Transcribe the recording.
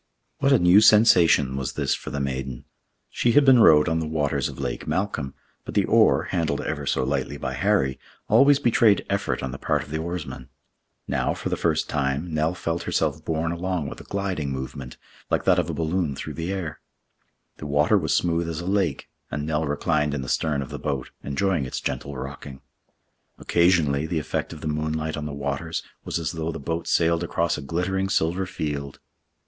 What a new sensation was this for the maiden! She had been rowed on the waters of Lake Malcolm; but the oar, handled ever so lightly by Harry, always betrayed effort on the part of the oarsman. Now, for the first time, Nell felt herself borne along with a gliding movement, like that of a balloon through the air. The water was smooth as a lake, and Nell reclined in the stern of the boat, enjoying its gentle rocking. Occasionally the effect of the moonlight on the waters was as though the boat sailed across a glittering silver field.